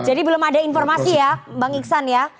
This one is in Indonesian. jadi belum ada informasi ya bang ingsan ya